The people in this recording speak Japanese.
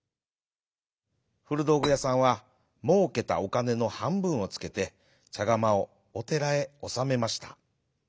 ふるどうぐやさんはもうけたおかねのはんぶんをつけてちゃがまをおてらへおさめました。